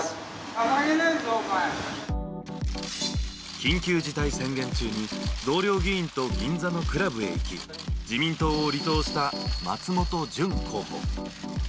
緊急事態宣言中に同僚議員と銀座のクラブへ行き自民党を離党した松本純候補。